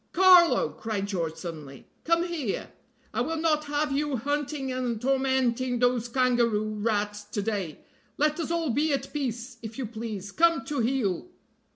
"Carlo," cried George, suddenly, "come here. I will not have you hunting and tormenting those kangaroo rats to day. Let us all be at peace, if you please. Come to heel."